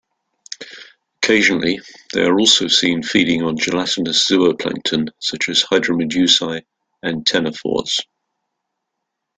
Occasionally, they are also seen feeding on gelatinous zooplankton such as hydromedusae and ctenophores.